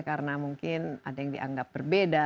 karena mungkin ada yang dianggap berbeda